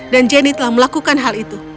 dan jenny telah melakukan hal itu